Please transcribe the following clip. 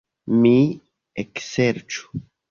Mi ekserĉu.